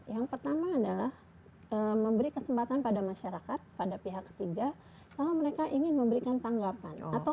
yang pertama adalah memberi kesempatan pada masyarakat pada pihak ketiga kalau mereka ingin memberikan tanggapan atau